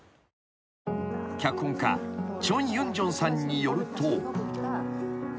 ［脚本家チョン・ユンジョンさんによると］